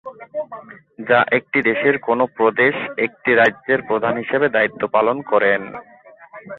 যা একটি দেশের কোন প্রদেশ একটি রাজ্যের প্রধান হিসেবে দায়িত্ব পালন করেন।